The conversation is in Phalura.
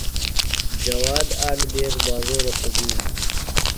جواد آک دیس بازورہ تھےۡ گُوم.